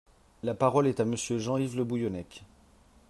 La parole est à Monsieur Jean-Yves Le Bouillonnec.